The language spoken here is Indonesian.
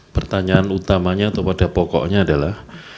pertanyaan utamanya pada pokoknya adalah